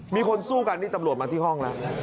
มีคนสู้กันนี่ตำรวจมาที่ห้องแล้ว